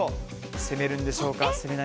攻めるんでしょうか。